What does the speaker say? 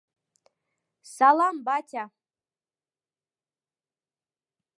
Салам, батя!